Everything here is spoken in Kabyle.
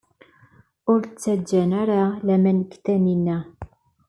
Ur ttgen ara laman deg Taninna.